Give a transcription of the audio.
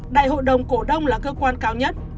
đại hội đồng cổ đông là cơ quan cao nhất